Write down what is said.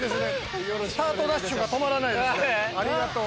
スタートダッシュが止まらないですね。